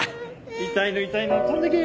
痛いの痛いの飛んでけ。